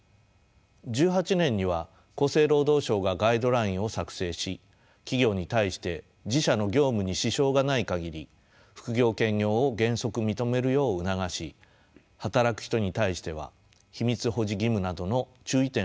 １８年には厚生労働省がガイドラインを作成し企業に対して自社の業務に支障がない限り副業・兼業を原則認めるよう促し働く人に対しては秘密保持義務などの注意点をまとめています。